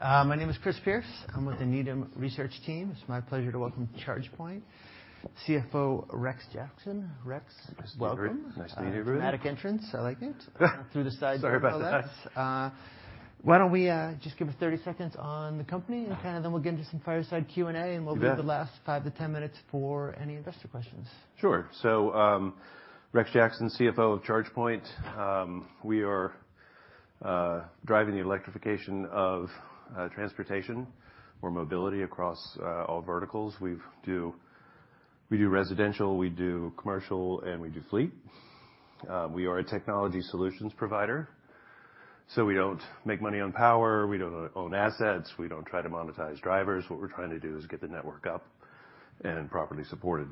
My name is Chris Pierce. I'm with the Needham research team. It's my pleasure to welcome ChargePoint CFO, Rex Jackson. Rex, welcome. Nice to meet you, brother. Dramatic entrance. I like it. Through the side door like that. Sorry about that. Why don't we just give us 30 seconds on the company, and kinda then we'll get into some fireside Q&A. You bet. we'll leave the last 5-10 minutes for any investor questions. Sure. Rex Jackson, CFO of ChargePoint. We are driving the electrification of transportation or mobility across all verticals. We do residential, we do commercial, and we do fleet. We are a technology solutions provider, we don't make money on power, we don't own assets, we don't try to monetize drivers. What we're trying to do is get the network up and properly supported.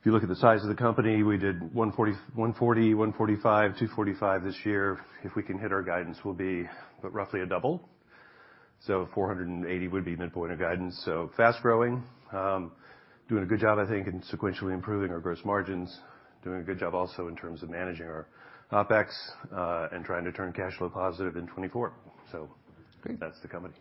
If you look at the size of the company, we did $140, $145, $245 this year. If we can hit our guidance, we'll be roughly a double. $480 would be midpoint of guidance. Fast growing, doing a good job, I think, and sequentially improving our gross margins. Doing a good job also in terms of managing our OpEx, and trying to turn cash flow positive in 2024. Great. that's the company.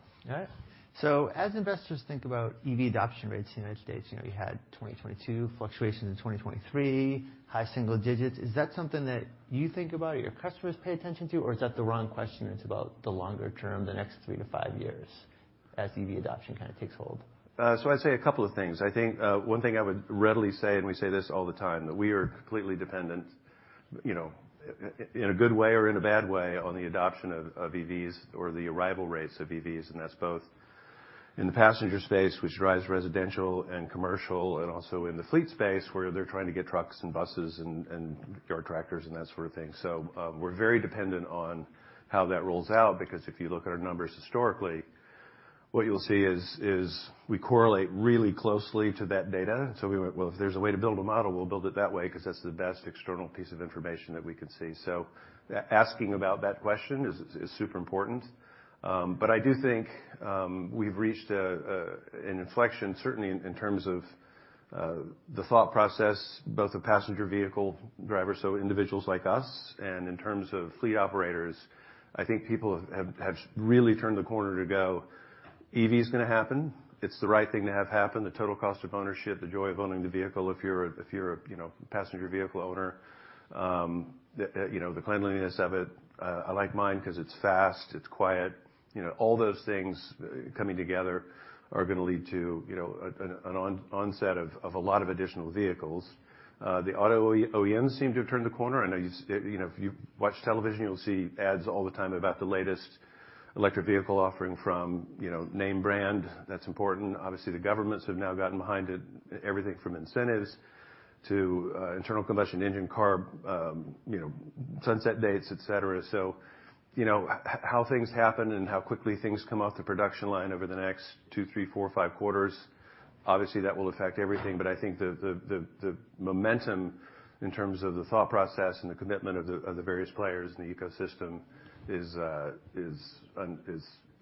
All right. As investors think about EV adoption rates in the United States, you know, you had 2022, fluctuations in 2023, high single digits, is that something that you think about or your customers pay attention to, or is that the wrong question? It's about the longer term, the next three to five years as EV adoption kinda takes hold. I'd say a couple of things. I think one thing I would readily say, and we say this all the time, that we are completely dependent, you know, in a good way or in a bad way, on the adoption of EVs or the arrival rates of EVs. That's both in the passenger space, which drives residential and commercial, and also in the fleet space, where they're trying to get trucks and buses and yard tractors and that sort of thing. We're very dependent on how that rolls out because if you look at our numbers historically, what you'll see is we correlate really closely to that data. We went, "Well, if there's a way to build a model, we'll build it that way," 'cause that's the best external piece of information that we could see. Asking about that question is super important. I do think we've reached an inflection, certainly in terms of the thought process, both the passenger vehicle drivers, so individuals like us, and in terms of fleet operators. I think people have really turned the corner to go, EVs gonna happen. It's the right thing to have happen, the total cost of ownership, the joy of owning the vehicle if you're a, you know, passenger vehicle owner, the, you know, the cleanliness of it. I like mine 'cause it's fast, it's quiet. You know, all those things coming together are gonna lead to, you know, an onset of a lot of additional vehicles. The auto OEM seem to have turned the corner. I know you know, if you watch television, you'll see ads all the time about the latest electric vehicle offering from, you know, name brand. That's important. Obviously, the governments have now gotten behind it, everything from incentives to internal combustion engine CARB, you know, sunset dates, et cetera. You know, how things happen and how quickly things come off the production line over the next two, three, four, five quarters, obviously that will affect everything. I think the, the momentum in terms of the thought process and the commitment of the, of the various players in the ecosystem is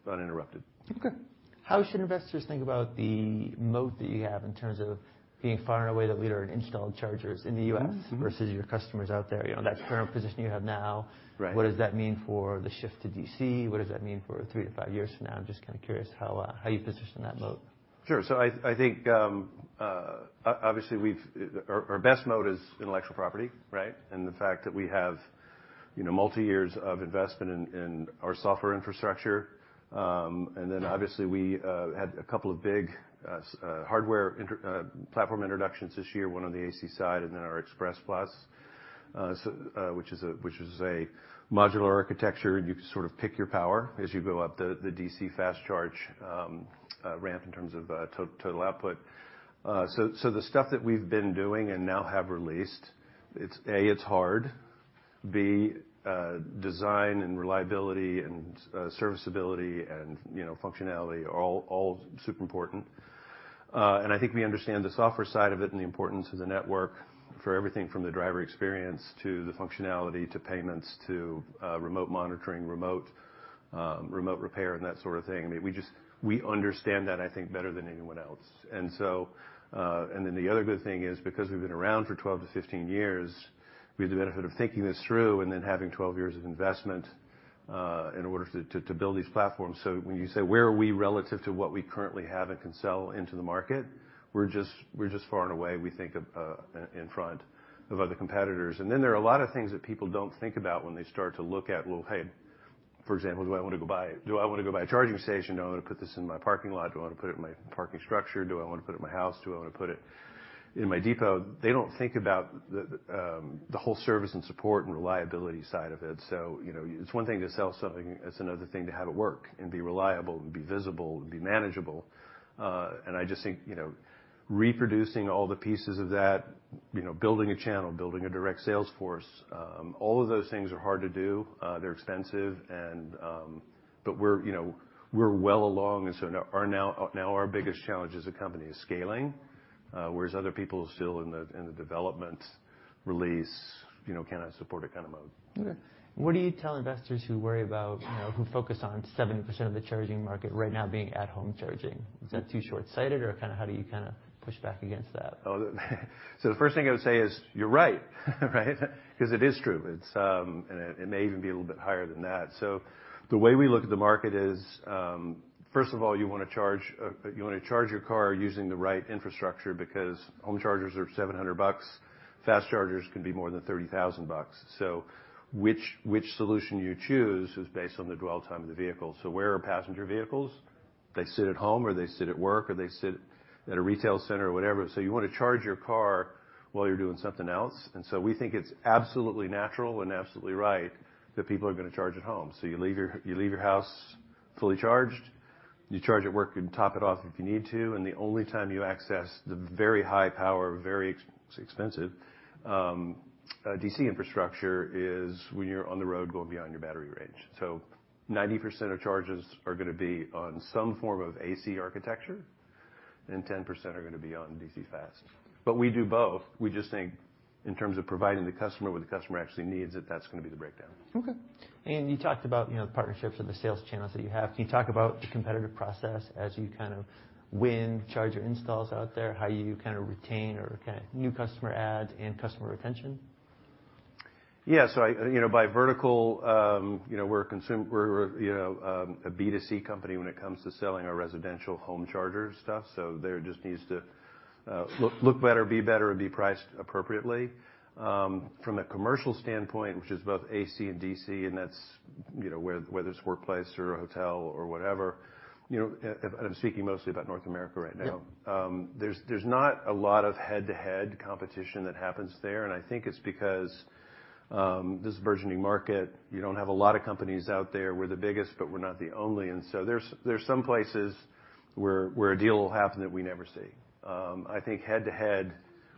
uninterrupted. Okay. How should investors think about the moat that you have in terms of being far and away the leader in installed chargers in the U.S.? Mm-hmm. Versus your customers out there? You know, that current position you have now. Right. What does that mean for the shift to DC? What does that mean for three to five years from now? I'm just kind of curious how you position that moat. Sure. I think, obviously Our best moat is intellectual property, right? The fact that we have, you know, multi-years of investment in our software infrastructure. Obviously we had a couple of big hardware platform introductions this year, one on the AC side and then our Express Plus which is a modular architecture. You can sort of pick your power as you go up the DC fast charge ramp in terms of total output. The stuff that we've been doing and now have released, it's, A, it's hard, B, design and reliability and serviceability and, you know, functionality are all super important. I think we understand the software side of it and the importance of the network for everything from the driver experience to the functionality to payments to remote monitoring, remote repair, and that sort of thing. I mean, we just, we understand that I think better than anyone else. Then the other good thing is because we've been around for 12-15 years, we have the benefit of thinking this through and then having 12 years of investment in order to build these platforms. When you say where are we relative to what we currently have and can sell into the market, we're just, we're just far and away, we think in front of other competitors. There are a lot of things that people don't think about when they start to look at, well, hey, for example, do I wanna go buy a charging station? Do I wanna put this in my parking lot? Do I wanna put it in my parking structure? Do I wanna put it in my house? Do I wanna put it in my depot? They don't think about the whole service and support and reliability side of it. You know, it's one thing to sell something, it's another thing to have it work and be reliable and be visible and be manageable. I just think, you know, reproducing all the pieces of that, you know, building a channel, building a direct sales force, all of those things are hard to do. They're expensive and, but we're, you know, we're well along and so now, Now our biggest challenge as a company is scaling, whereas other people are still in the, in the development release, you know, cannot support it kind of mode. Okay. What do you tell investors who worry about, you know, who focus on 70% of the charging market right now being at-home charging? Is that too short-sighted, or kinda how do you kinda push back against that? The first thing I would say is you're right? 'Cause it is true. It's, it may even be a little bit higher than that. The way we look at the market is, first of all, you wanna charge your car using the right infrastructure because home chargers are $700, fast chargers can be more than $30,000. Which solution you choose is based on the dwell time of the vehicle. Where are passenger vehicles? They sit at home, or they sit at work, or they sit at a retail center or whatever. You wanna charge your car while you're doing something else. We think it's absolutely natural and absolutely right that people are gonna charge at home. You leave your house fully charged. You charge at work and top it off if you need to. The only time you access the very high power, very expensive DC infrastructure is when you're on the road going beyond your battery range. 90% of charges are gonna be on some form of AC architecture, and 10% are gonna be on DC fast. We do both. We just think in terms of providing the customer what the customer actually needs, that's gonna be the breakdown. Okay. You talked about, you know, the partnerships and the sales channels that you have. Can you talk about the competitive process as you kind of win charger installs out there, how you kind of retain or kind of new customer adds and customer retention? Yeah. I, you know, by vertical, you know, we're, you know, a B2C company when it comes to selling our residential home charger stuff, so there just needs to look better, be better, and be priced appropriately. From a commercial standpoint, which is both AC and DC, and that's, you know, whether it's workplace or a hotel or whatever, you know, I'm speaking mostly about North America right now. There's not a lot of head-to-head competition that happens there. I think it's because this is a burgeoning market. You don't have a lot of companies out there. We're the biggest, but we're not the only. There's some places where a deal will happen that we never see. I think head-to-head,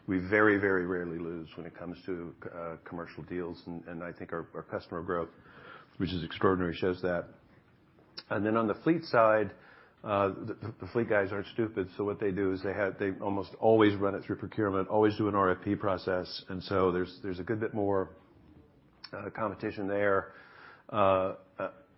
we very rarely lose when it comes to commercial deals. I think our customer growth, which is extraordinary, shows that. On the fleet side, the fleet guys aren't stupid, so what they do is they almost always run it through procurement, always do an RFP process. There's a good bit more competition there. And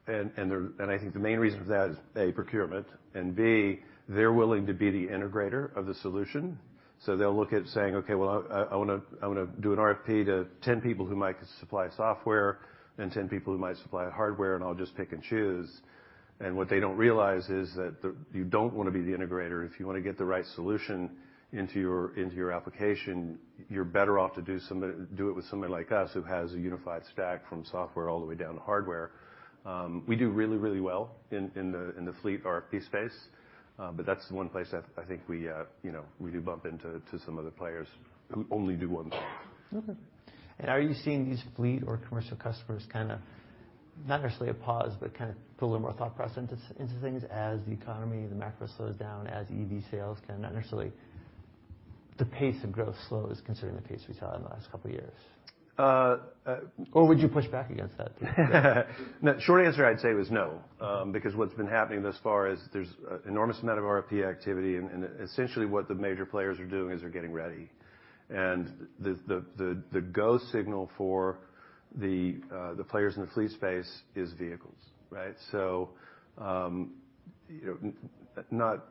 I think the main reason for that is, A, procurement, and B, they're willing to be the integrator of the solution. They'll look at saying, "Okay. Well, I wanna do an RFP to 10 people who might supply software and 10 people who might supply hardware, and I'll just pick and choose." What they don't realize is that you don't wanna be the integrator. If you wanna get the right solution into your application, you're better off to do it with somebody like us who has a unified stack from software all the way down to hardware. We do really, really well in the fleet RFP space, but that's the one place I think we, you know, we do bump into some of the players who only do one thing. Okay. Are you seeing these fleet or commercial customers kinda not necessarily a pause but kinda put a little more thought process into things as the economy, the macro slows down, as EV sales kinda The pace of growth slows considering the pace we saw in the last couple years? Would you push back against that? No. Short answer I'd say was no, because what's been happening thus far is there's an enormous amount of RFP activity, and essentially what the major players are doing is they're getting ready. The go signal for the players in the fleet space is vehicles, right? You know, not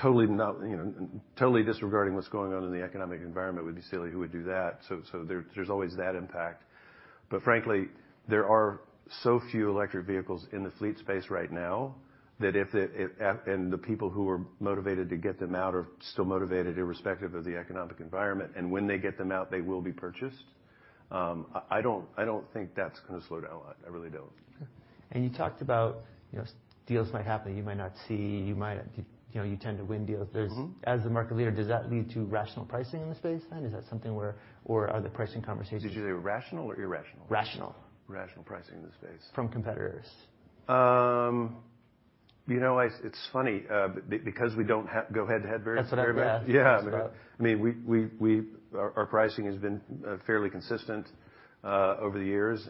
totally not, you know. Totally disregarding what's going on in the economic environment would be silly. Who would do that? There's always that impact. Frankly, there are so few electric vehicles in the fleet space right now that if, and the people who are motivated to get them out are still motivated irrespective of the economic environment, and when they get them out, they will be purchased. I don't think that's gonna slow down a lot. I really don't. Okay. You talked about, you know, deals might happen that you might not see. You might, you know, you tend to win deals. As the market leader, does that lead to rational pricing in the space then? Is that something where... Are the pricing conversations? Did you say rational or irrational? Rational. Rational pricing in the space. From competitors. You know, it's funny, because we don't go head-to-head very much. That's what I'm asking. Yeah. So. I mean, we Our pricing has been fairly consistent over the years,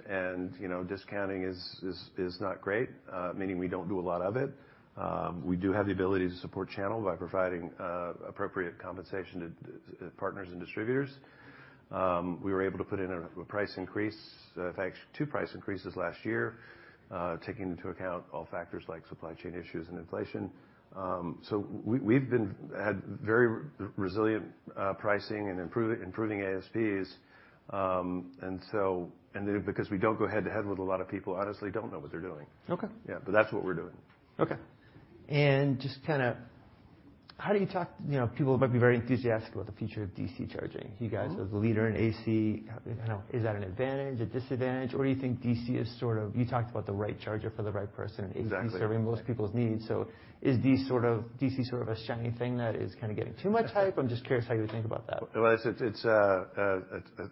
you know, discounting is not great, meaning we don't do a lot of it. We do have the ability to support channel by providing appropriate compensation to partners and distributors. We were able to put in a price increase, in fact, two price increases last year, taking into account all factors like supply chain issues and inflation. We've been had very resilient pricing and improving ASPs. Because we don't go head-to-head with a lot of people, honestly don't know what they're doing. Okay. Yeah. That's what we're doing. Okay. Just kinda how do you talk, you know, people might be very enthusiastic about the future of DC charging. You guys are the leader in AC. I don't know. Is that an advantage, a disadvantage, or you think DC is sort of...? You talked about the right charger for the right person. Exactly. A.C. serving most people's needs. Is D.C. sort of a shiny thing that is kinda getting too much hype? I'm just curious how you would think about that. Well,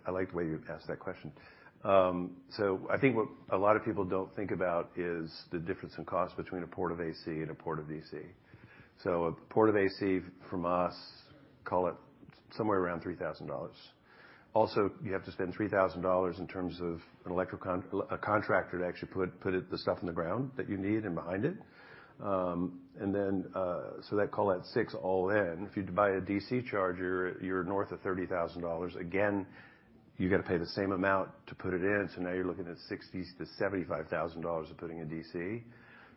I like the way you asked that question. I think what a lot of people don't think about is the difference in cost between a port of AC and a port of DC. A port of AC from us, call it somewhere around $3,000. Also, you have to spend $3,000 in terms of an electric a contractor to actually put it, the stuff in the ground that you need and behind it. Let's call that $6,000 all in. If you buy a DC charger, you're north of $30,000. Again, you gotta pay the same amount to put it in, so now you're looking at $60,000-$75,000 of putting in DC.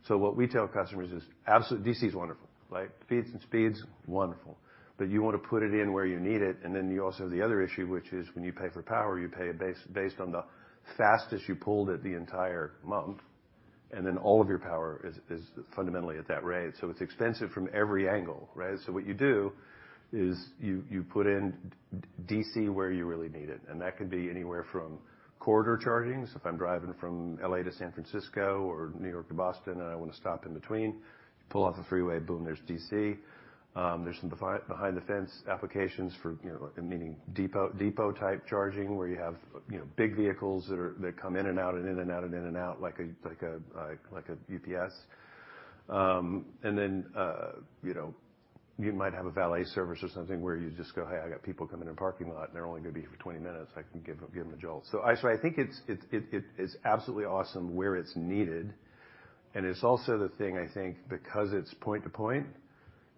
What we tell customers is DC is wonderful, right? Feeds and speeds, wonderful, but you wanna put it in where you need it. You also have the other issue, which is when you pay for power, you pay it based on the fastest you pulled it the entire month. All of your power is fundamentally at that rate. It's expensive from every angle, right? What you do is you put in DC where you really need it, and that can be anywhere from corridor charging. If I'm driving from L.A. to San Francisco or New York to Boston, and I wanna stop in between, pull off the freeway, boom, there's DC. There's some behind the fence applications for, you know, meaning depot type charging, where you have, you know, big vehicles that are... that come in and out like a UPS. Then, you know, you might have a valet service or something where you just go, "Hey, I got people coming in a parking lot, and they're only gonna be here for 20 minutes. I can give them a jolt." I think it is absolutely awesome where it's needed, and it's also the thing I think because it's point to point,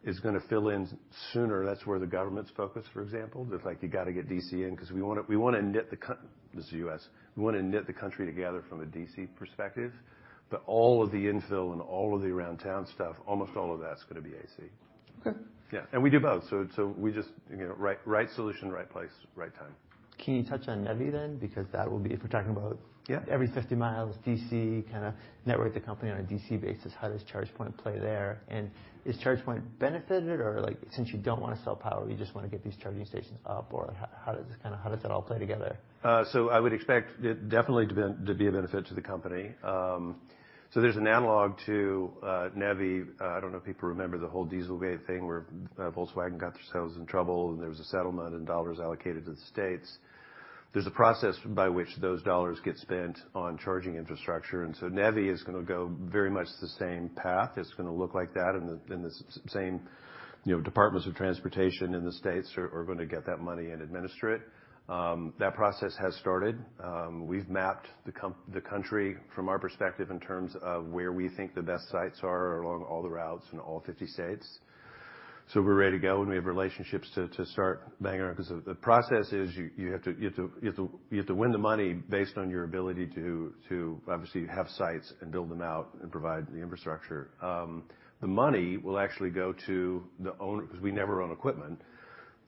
it's gonna fill in sooner. That's where the government's focused, for example. You gotta get DC in 'cause we wanna knit. This is U.S. We wanna knit the country together from a DC perspective. All of the infill and all of the around town stuff, almost all of that's gonna be AC. Okay. Yeah. We do both, so we just, you know. Right solution, right place, right time. Can you touch on NEVI then? That will be... If we're talking about every 50 miles DC kinda network the company on a DC basis, how does ChargePoint play there? Is ChargePoint benefited or like, since you don't wanna sell power, you just wanna get these charging stations up, or how does that all play together? I would expect it definitely to be a benefit to the company. There's an analog to NEVI. I don't know if people remember the whole Dieselgate thing where Volkswagen got themselves in trouble, and there was a settlement and dollars allocated to the states. There's a process by which those dollars get spent on charging infrastructure, NEVI is gonna go very much the same path. It's gonna look like that in the, in the same, you know, Departments of Transportation in the states are gonna get that money and administer it. That process has started. We've mapped the country from our perspective in terms of where we think the best sites are along all the routes in all 50 states. We're ready to go, and we have relationships to start banging on, because the process is you have to win the money based on your ability to obviously have sites and build them out and provide the infrastructure. Because we never own equipment.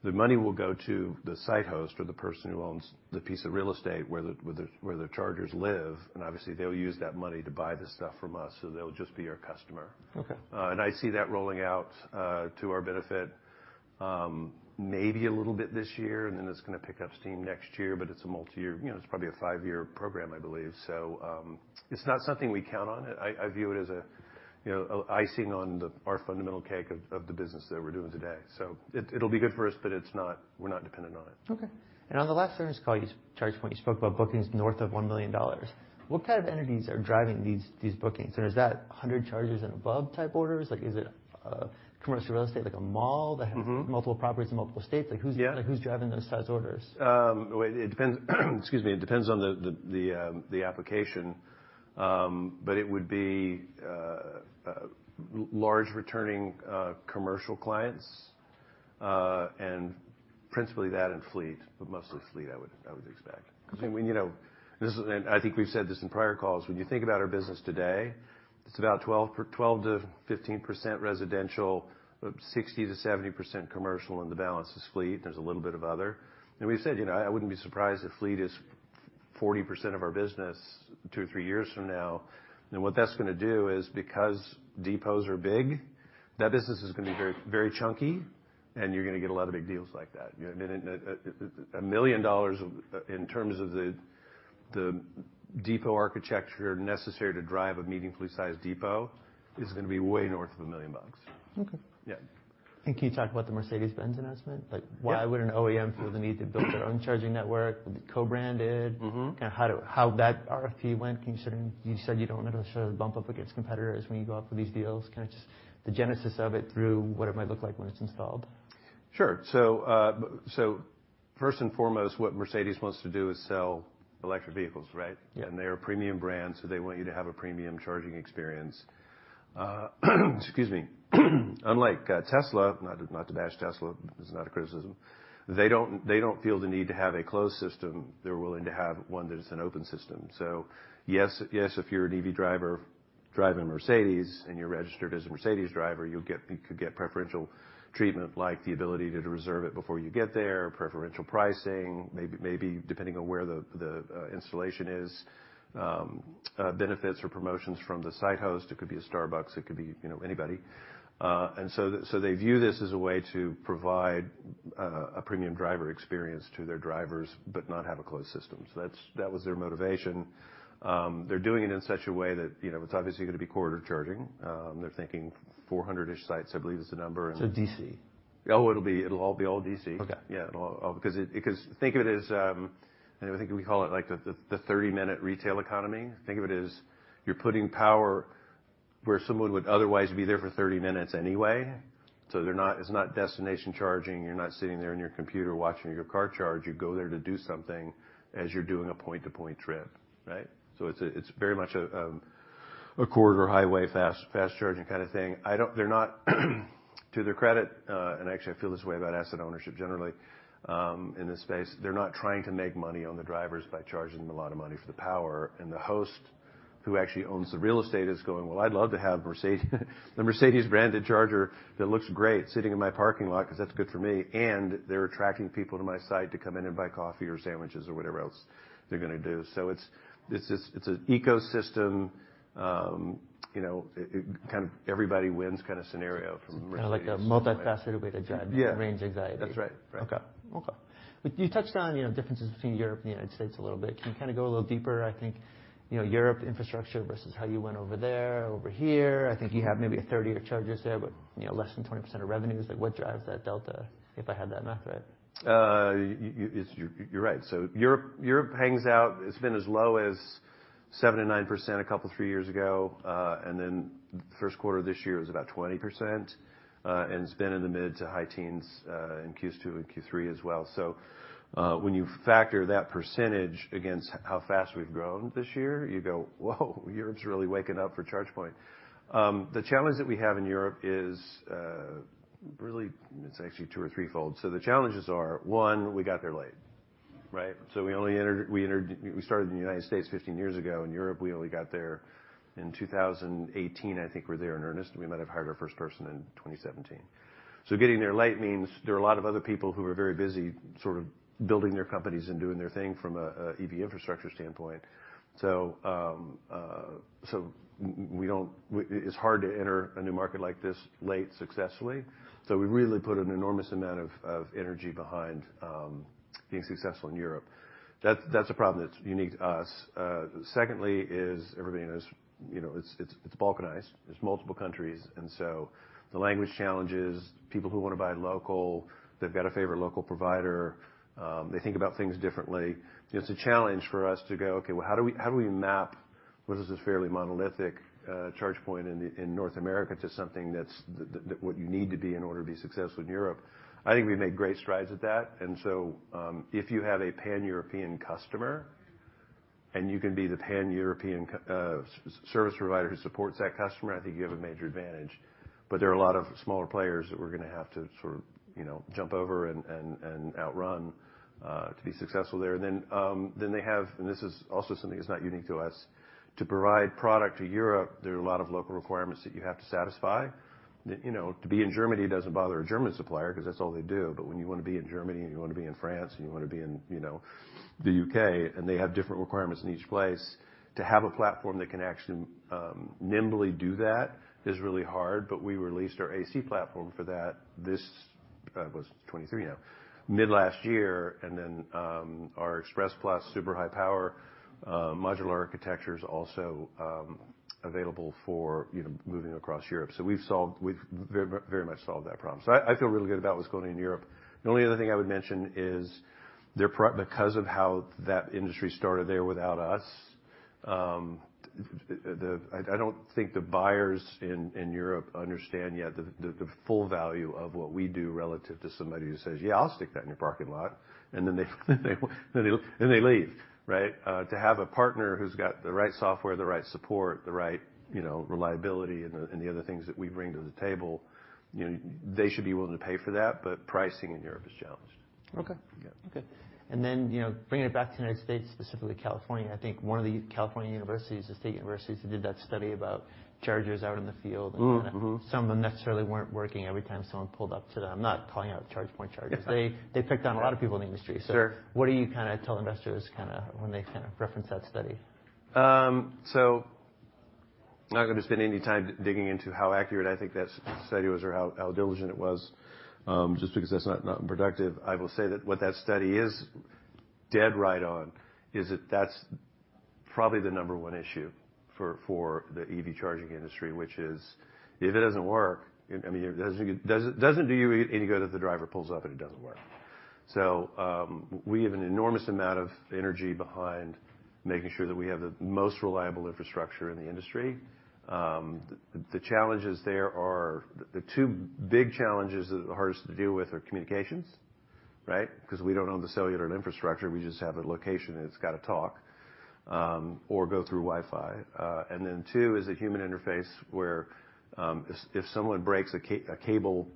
The money will go to the site host or the person who owns the piece of real estate where the chargers live, and obviously, they'll use that money to buy the stuff from us, so they'll just be our customer. Okay. I see that rolling out to our benefit, maybe a little bit this year, and then it's gonna pick up steam next year, but it's a multiyear. You know, it's probably a five-year program, I believe. It's not something we count on. I view it as a, you know, icing on the, our fundamental cake of the business that we're doing today. It'll be good for us, but it's not. We're not dependent on it. Okay. On the last earnings call, ChargePoint, you spoke about bookings north of $1 million. What kind of entities are driving these bookings? Is that 100 chargers and above type orders? Like, is it a commercial real estate, like a mall that has multiple properties in multiple states? Like, who's- Yeah. like, who's driving those size orders? Well, it depends, excuse me, it depends on the application, but it would be large returning commercial clients, and principally that and fleet. Mostly fleet I would expect. Okay. When, you know, I think we've said this in prior calls. When you think about our business today, it's about 12%-15% residential, 60%-70% commercial, and the balance is fleet. There's a little bit of other. We've said, you know, I wouldn't be surprised if fleet is 40% of our business two to three years from now. What that's gonna do is, because depots are big, that business is gonna be very, very chunky, and you're gonna get a lot of big deals like that. I mean, a $1 million in terms of the depot architecture necessary to drive a medium fleet size depot is gonna be way north of $1 million. Okay. Yeah. Can you talk about the Mercedes-Benz announcement? Yeah. Like, why would an OEM feel the need to build their own charging network, co-branded? Mm-hmm. How that RFP went, considering you said you don't wanna bump up against competitors when you go out for these deals? Kind of just the genesis of it through what it might look like when it's installed. Sure. First and foremost, what Mercedes wants to do is sell electric vehicles, right? Yeah. They're a premium brand, so they want you to have a premium charging experience. Excuse me. Unlike Tesla, not to bash Tesla, this is not a criticism. They don't feel the need to have a closed system. They're willing to have one that is an open system. Yes, if you're an EV driver driving a Mercedes, and you're registered as a Mercedes driver, you could get preferential treatment, like the ability to reserve it before you get there, preferential pricing, maybe depending on where the installation is, benefits or promotions from the site host. It could be a Starbucks. It could be, you know, anybody. So they view this as a way to provide a premium driver experience to their drivers but not have a closed system. That's, that was their motivation. They're doing it in such a way that, you know, it's obviously gonna be corridor charging. They're thinking 400-ish sites, I believe is the number. D.C. Oh, it'll all be all D.C. Okay. Yeah. Because think of it as, I think we call it like the 30-minute retail economy. Think of it as you're putting power where someone would otherwise be there for 30 minutes anyway. It's not destination charging. You're not sitting there on your computer watching your car charge. You go there to do something as you're doing a point-to-point trip, right? It's very much a corridor highway fast charging kind of thing. They're not, To their credit, and actually I feel this way about asset ownership generally, in this space, they're not trying to make money on the drivers by charging them a lot of money for the power. The host who actually owns the real estate is going, "Well, I'd love to have Mercedes-branded charger that looks great sitting in my parking lot, 'cause that's good for me, and they're attracting people to my site to come in and buy coffee or sandwiches or whatever else they're gonna do." It's, it's just, it's an ecosystem, you know, it kind of everybody wins kind of scenario from a Mercedes standpoint. Kind of like a multifaceted way to drive. Yeah Range anxiety. That's right. Right. Okay. You touched on, you know, differences between Europe and the United States a little bit. Can you kinda go a little deeper? I think, you know, Europe infrastructure versus how you went over there, over here. I think you have maybe a third of your chargers there, but, you know, less than 20% of revenues. What drives that delta, if I have that math right? You're right. Europe hangs out. It's been as low as 7%-9% a couple, three years ago. first quarter this year was about 20%, and it's been in the mid to high teens in Q2 and Q3 as well. When you factor that percentage against how fast we've grown this year, you go, "Whoa, Europe's really waking up for ChargePoint." The challenge that we have in Europe is actually two or threefold. The challenges are, one, we got there late, right? We only entered-- we started in the United States 15 years ago. In Europe, we only got there in 2018, I think we're there in earnest. We might have hired our first person in 2017. Getting there late means there are a lot of other people who are very busy sort of building their companies and doing their thing from a EV infrastructure standpoint. It's hard to enter a new market like this late successfully, so we really put an enormous amount of energy behind being successful in Europe. That's a problem that's unique to us. Secondly is everybody knows, you know, it's, it's balkanized. There's multiple countries, the language challenges, people who wanna buy local, they've got a favorite local provider, they think about things differently. It's a challenge for us to go, "Okay, well, how do we map what is this fairly monolithic ChargePoint in North America to something that's the what you need to be in order to be successful in Europe?" I think we've made great strides at that. If you have a Pan-European customer, and you can be the Pan-European service provider who supports that customer, I think you have a major advantage. There are a lot of smaller players that we're gonna have to sort of, you know, jump over and outrun to be successful there. They have... This is also something that's not unique to us. To provide product to Europe, there are a lot of local requirements that you have to satisfy. You know, to be in Germany, it doesn't bother a German supplier 'cause that's all they do. When you wanna be in Germany, and you wanna be in France, and you wanna be in, you know, the U.K., and they have different requirements in each place. To have a platform that can actually nimbly do that is really hard, but we released our AC platform for that this, what is it? 23 now. Mid last year, and then, our Express Plus super high power modular architecture's also available for, you know, moving across Europe. We've very much solved that problem. I feel really good about what's going in Europe. The only other thing I would mention is their pro-- because of how that industry started there without us, the... I don't think the buyers in Europe understand yet the full value of what we do relative to somebody who says, "Yeah, I'll stick that in your parking lot," and then they leave, right? To have a partner who's got the right software, the right support, the right, you know, reliability and the other things that we bring to the table, you know, they should be willing to pay for that. Pricing in Europe is challenged. Okay. Yeah. Okay. you know, bringing it back to the United States, specifically California, I think one of the California universities, the state universities who did that study about chargers out in the field... Kinda some of them necessarily weren't working every time someone pulled up to them. I'm not calling out ChargePoint chargers. They picked on a lot of people in the industry. Sure What do you kinda tell investors kinda when they kinda reference that study? So I'm not gonna spend any time digging into how accurate I think that study was or how diligent it was, just because that's not productive. I will say that what that study is dead right on is that that's probably the number one issue for the EV charging industry, which is if it doesn't work, I mean, it doesn't do you any good if the driver pulls up and it doesn't work. We have an enormous amount of energy behind making sure that we have the most reliable infrastructure in the industry. The challenges there are. The two big challenges that are the hardest to deal with are communications, right? 'Cause we don't own the cellular infrastructure. We just have a location, and it's gotta talk or go through Wi-Fi. Two is the human interface, where, if someone breaks a cable,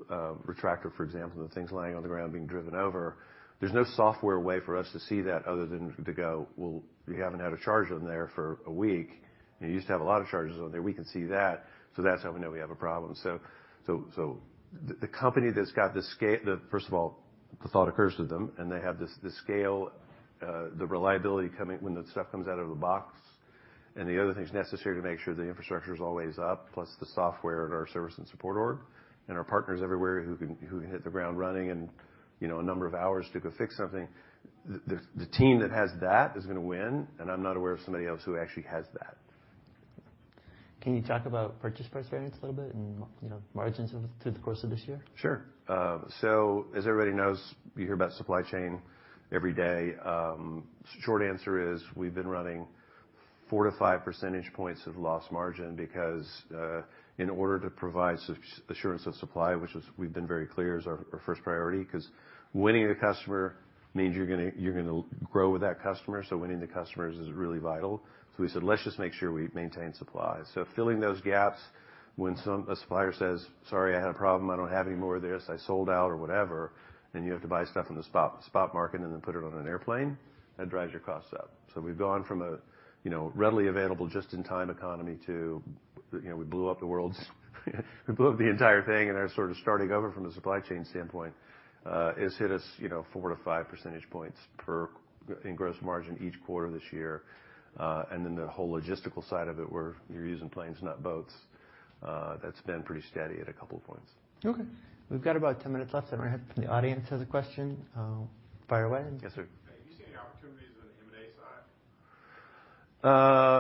retractor, for example, the thing's lying on the ground being driven over, there's no software way for us to see that other than to go, "Well, we haven't had a charge on there for one week, and you used to have a lot of charges on there." We can see that. That's how we know we have a problem. The company that's got, first of all, the thought occurs to them, and they have the scale, the reliability when the stuff comes out of the box, and the other things necessary to make sure the infrastructure's always up, plus the software at our service and support org, and our partners everywhere who can hit the ground running in, you know, a number of hours to go fix something. The team that has that is gonna win, and I'm not aware of somebody else who actually has that. Can you talk about purchase price variance a little bit and, you know, margins of it through the course of this year? Sure. As everybody knows, you hear about supply chain every day. Short answer is we've been running four to five percentage points of lost margin because in order to provide assurance of supply, which is we've been very clear is our first priority, 'cause winning a customer means you're gonna grow with that customer. Winning the customers is really vital. We said, "Let's just make sure we maintain supply." Filling those gaps when a supplier says, "Sorry, I had a problem, I don't have any more of this, I sold out," or whatever, then you have to buy stuff in the spot market and then put it on an airplane, that drives your costs up. We've gone from a, you know, readily available just in time economy to, you know, we blew up the entire thing, and now we're sort of starting over from the supply chain standpoint. It's hit us, you know, four to five percentage points in gross margin each quarter this year. The whole logistical side of it where you're using planes, not boats, that's been pretty steady at a couple of points. Okay. We've got about 10 minutes left. All right. If anyone from the audience has a question, fire away. Yes, sir. Do you see any opportunities in the M&A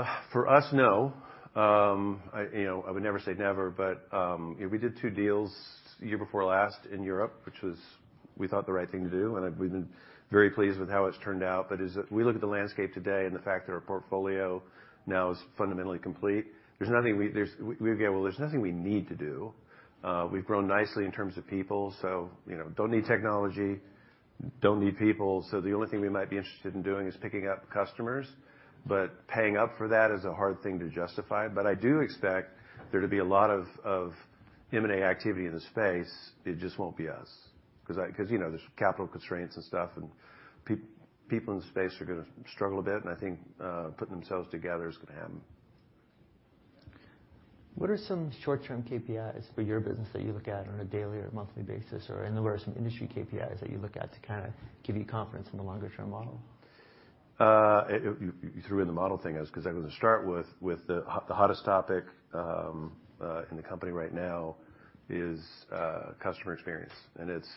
side? For us, no. I, you know, I would never say never, but we did two deals year before last in Europe, which was, we thought, the right thing to do, and we've been very pleased with how it's turned out. As we look at the landscape today and the fact that our portfolio now is fundamentally complete, Well, there's nothing we need to do. We've grown nicely in terms of people, so, you know, don't need technology, don't need people. The only thing we might be interested in doing is picking up customers, but paying up for that is a hard thing to justify. I do expect there to be a lot of M&A activity in the space. It just won't be us, 'cause, you know, there's capital constraints and stuff, and people in the space are gonna struggle a bit, and I think, putting themselves together is gonna happen. What are some short-term KPIs for your business that you look at on a daily or monthly basis? Or in other words, some industry KPIs that you look at to kind of give you confidence in the longer term model? You threw in the model thing, 'cause I was gonna start with the hottest topic in the company right now is customer experience. It's,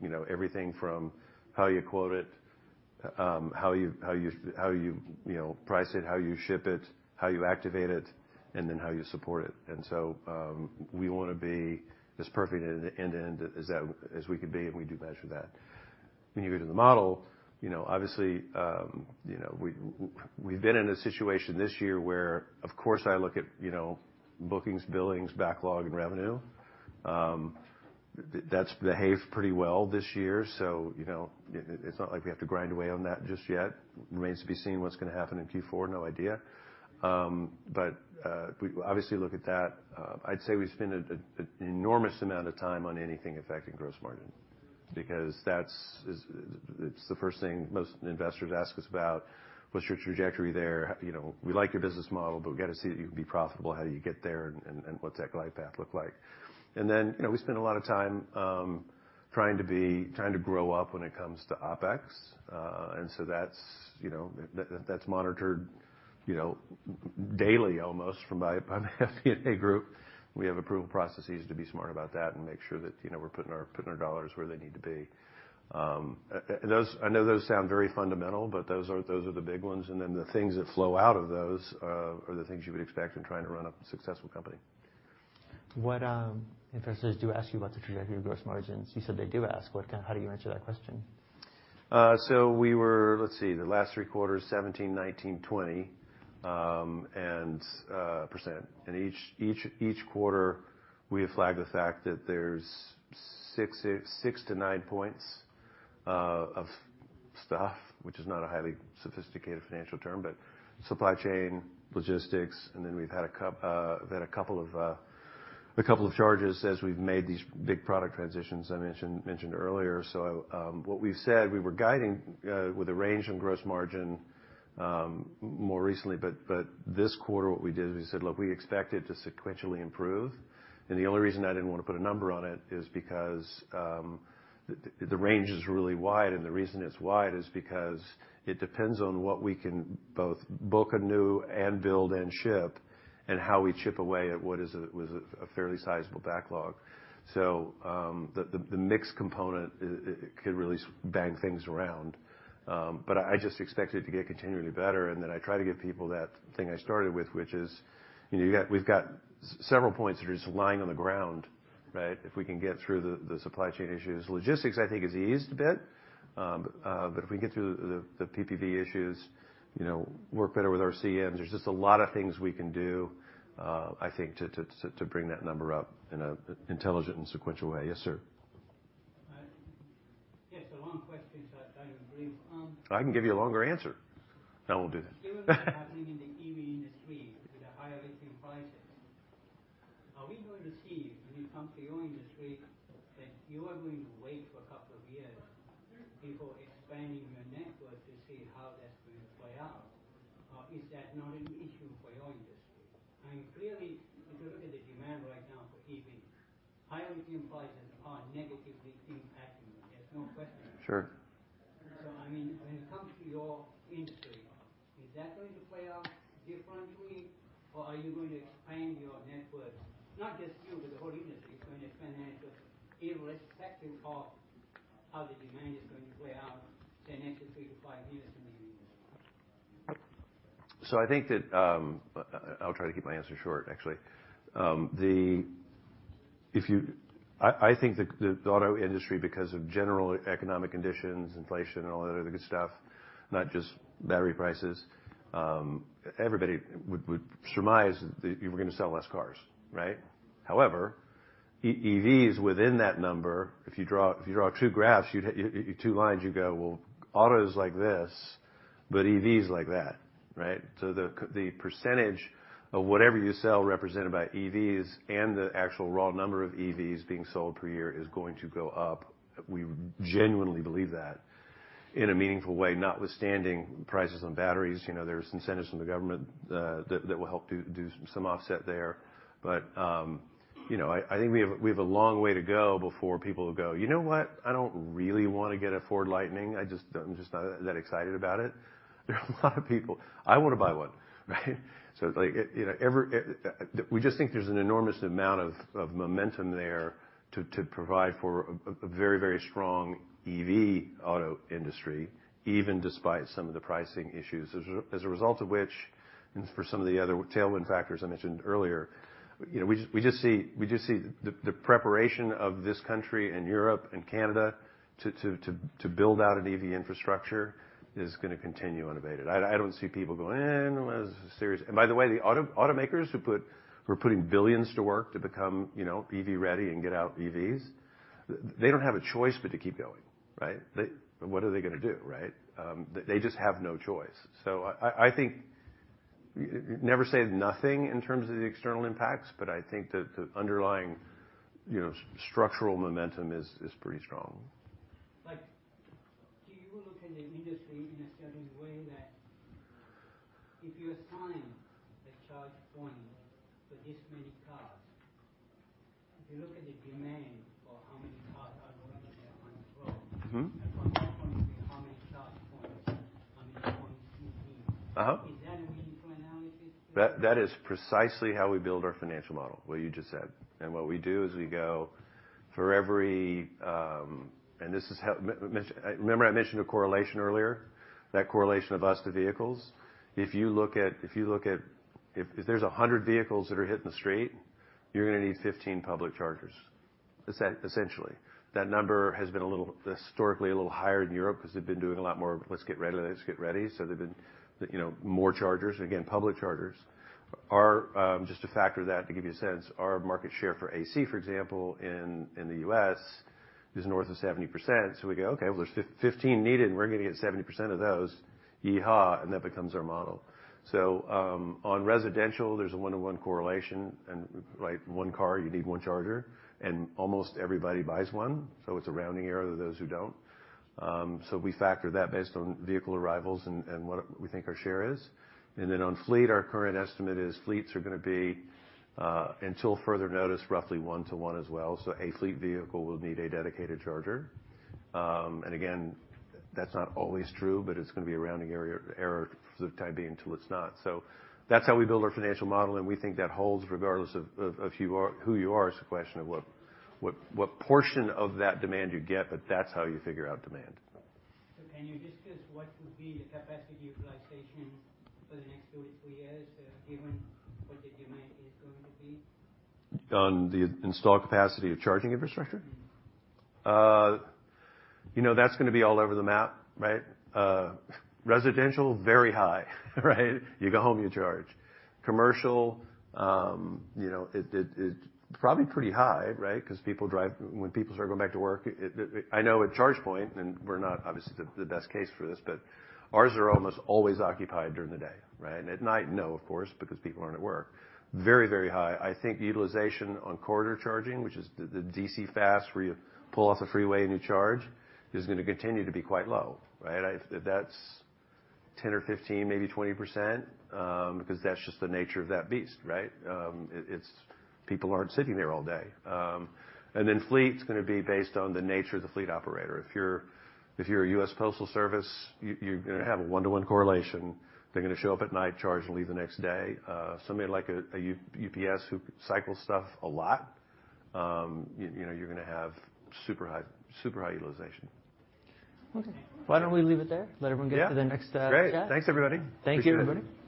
you know, everything from how you quote it, how you know, price it, how you ship it, how you activate it, and then how you support it. We wanna be as perfect end-to-end as we could be, and we do measure that. When you get to the model, you know, obviously, you know, we've been in a situation this year where, of course, I look at, you know, bookings, billings, backlog, and revenue. That's behaved pretty well this year, so you know, it's not like we have to grind away on that just yet. Remains to be seen what's gonna happen in Q4. No idea. We obviously look at that. I'd say we spend an enormous amount of time on anything affecting gross margin, because that's it's the first thing most investors ask us about, "What's your trajectory there? You know, we like your business model, but we gotta see that you can be profitable. How do you get there? What's that glide path look like?" You know, we spend a lot of time trying to grow up when it comes to OpEx. That's, you know, that's monitored, you know, daily almost by my MBA group. We have approval processes to be smart about that and make sure that, you know, we're putting our, we're putting our dollars where they need to be. I know those sound very fundamental, but those are the big ones. The things that flow out of those, are the things you would expect in trying to run a successful company. What investors do ask you about the trajectory of gross margins. You said they do ask. How do you answer that question? Let's see, the last three quarters, 17%, 19%, 20%. In each quarter, we have flagged the fact that there's six to nine points of stuff, which is not a highly sophisticated financial term, but supply chain, logistics. Then we've had a couple of charges as we've made these big product transitions I mentioned earlier. What we've said, we were guiding with a range on gross margin, more recently, but this quarter, what we did is we said, "Look, we expect it to sequentially improve." The only reason I didn't wanna put a number on it is because the range is really wide, and the reason it's wide is because it depends on what we can both book anew and build and ship and how we chip away at what is a fairly sizable backlog. The mix component could really bang things around. I just expect it to get continually better. Then I try to give people that thing I started with, which is, you know, we've got several points that are just lying on the ground, right? If we can get through the supply chain issues. Logistics, I think, has eased a bit. If we can get through the PPV issues, you know, work better with our CMs, there's just a lot of things we can do, I think to bring that number up in a intelligent and sequential way. Yes, sir. Yes, a long question, so I'll try to be brief. I can give you a longer answer. No, I won't do that. Given what's happening in the EV industry with the higher lithium prices, are we going to see when it comes to your industry that you are going to wait for a couple of years before expanding your network to see how that's going to play out? Or is that not an issue for your industry? I mean, clearly, if you look at the demand right now for EV, higher lithium prices are negatively impacting that. There's no question. Sure. I mean, when it comes to your industry, is that going to play out differently, or are you going to expand your network? Not just you, but the whole industry is going to expand their network irrespective of how the demand is going to play out say next three to five years in the industry. I think that, I'll try to keep my answer short, actually. I think the auto industry, because of general economic conditions, inflation and all that other good stuff, not just battery prices, everybody would surmise that you were gonna sell less cars, right? However, EVs within that number, if you draw, if you draw two graphs, you'd have two lines, you'd go, "Well, auto is like this, but EV is like that," right? The percentage of whatever you sell represented by EVs and the actual raw number of EVs being sold per year is going to go up. We genuinely believe that in a meaningful way, notwithstanding prices on batteries. You know, there's incentives from the government that will help do some offset there. You know, I think we have a long way to go before people will go, "You know what? I don't really wanna get a Ford Lightning. I'm just not that excited about it." There are a lot of people, "I wanna buy one," right? You know, every, we just think there's an enormous amount of momentum there to provide for a very, very strong EV auto industry, even despite some of the pricing issues. As a result of which, for some of the other tailwind factors I mentioned earlier, you know, we just see the preparation of this country and Europe and Canada to build out an EV infrastructure is gonna continue unabated. I don't see people going, "Eh, well, this is serious." By the way, the automakers who are putting billions to work to become, you know, EV ready and get out EVs, they don't have a choice but to keep going, right? What are they gonna do, right? They just have no choice. I think you never say nothing in terms of the external impacts, but I think the underlying, you know, structural momentum is pretty strong. Like, do you look at the industry in a certain way that if you assign a ChargePoint for this many cars, if you look at the demand for how many cars are going to get on the road. Mm-hmm. As opposed to how many charge points, how many points you need. Is that a meaningful analysis to you? That is precisely how we build our financial model, what you just said. What we do is we go, for every. Remember I mentioned a correlation earlier? That correlation of us to vehicles. If there's 100 vehicles that are hitting the street, you're gonna need 15 public chargers. Essentially. That number has been a little, historically, a little higher in Europe because they've been doing a lot more of let's get ready, let's get ready. They've been, you know, more chargers. Again, public chargers. Our, just to factor that to give you a sense, our market share for AC, for example, in the U.S., is north of 70%. We go, "Okay, well, there's 15 needed, and we're gonna get 70% of those. Yee-haw." That becomes our model. On residential, there's a one-to-one correlation, and like one car, you need one charger, and almost everybody buys one, so it's a rounding error to those who don't. We factor that based on vehicle arrivals and what we think our share is. On fleet, our current estimate is fleets are gonna be, until further notice, roughly one-to-one as well. A fleet vehicle will need a dedicated charger. Again, that's not always true, but it's gonna be a rounding error sort of type being till it's not. That's how we build our financial model, and we think that holds regardless of who you are. It's a question of what portion of that demand you get, but that's how you figure out demand. Can you discuss what would be the capacity utilization for the next two to three years, given what the demand is going to be? On the install capacity of charging infrastructure? Mm-hmm. You know, that's gonna be all over the map, right? Residential, very high, right? You go home, you charge. Commercial, you know, it's probably pretty high, right? 'Cause people drive when people start going back to work. I know at ChargePoint, and we're not obviously the best case for this, but ours are almost always occupied during the day, right? At night, no, of course, because people aren't at work. Very, very high. I think utilization on corridor charging, which is the DC fast where you pull off a freeway and you charge, is gonna continue to be quite low, right? That's 10 or 15, maybe 20%, because that's just the nature of that beast, right? It's people aren't sitting there all day. Then fleet's gonna be based on the nature of the fleet operator. If you're a U.S. Postal Service, you're gonna have a one-to-one correlation. They're gonna show up at night, charge, and leave the next day. Somebody like a UPS who cycles stuff a lot, you know, you're gonna have super high utilization. Okay. Why don't we leave it there? Let everyone get to the next chat. Great. Thanks, everybody. Thank you, everybody. Appreciate it.